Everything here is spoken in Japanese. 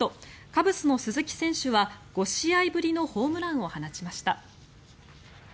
カブスの鈴木選手は５試合ぶりのホームランを放ちました。